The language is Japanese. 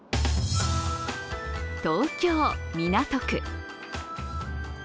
東京・港区。